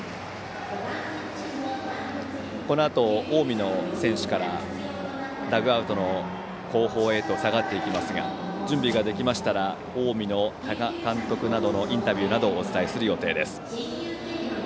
このあと、近江の選手からダグアウトの後方へと下がっていきますが準備ができましたら近江の多賀監督などのインタビューなどをお伝えする予定です。